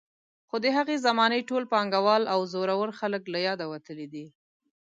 خو د هغې زمانې ټول پانګوال او زورور خلک له یاده وتلي دي.